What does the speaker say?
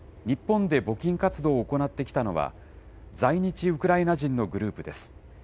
日本で募金活動を行ってきたのは、在日ウクライナ人のグループです。